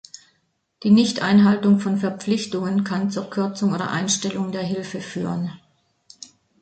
Die Nichteinhaltung von Verpflichtungen kann zur Kürzung oder Einstellung der Hilfe führen.